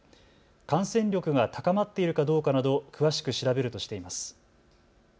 感染力が高まっているかどうかなど詳しく調べるとしています。